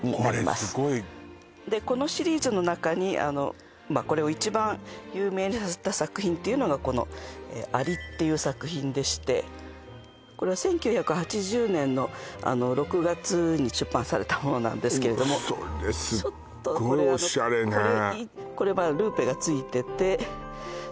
これすごいこのシリーズの中にこれを一番有名にさせた作品っていうのがこの「蟻」っていう作品でしてこれは１９８０年の６月に出版されたものなんですけれどもそれすっごいので写真ではいはいすみません